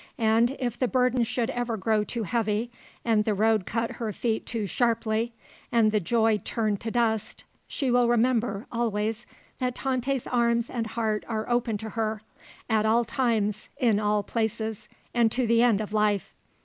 And if the burden should ever grow too heavy, and the road cut her feet too sharply, and the joy turn to dust, she will remember always that Tante's arms and heart are open to her at all times, in all places, and to the end of life.